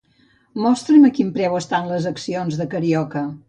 Mostra'm a quin preu estan les accions de Carioca.